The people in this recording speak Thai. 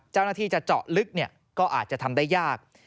เจ้าหน้าที่จะเจาะลึกก็อาจจะทำได้ยาก